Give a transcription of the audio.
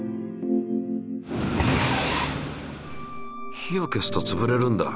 火を消すとつぶれるんだ。